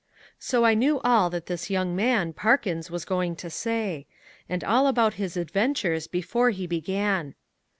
So I knew all that this young man, Parkins, was going to say, and all about his adventures before he began.